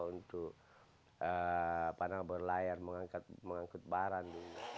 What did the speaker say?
untuk berlayar mengangkat barang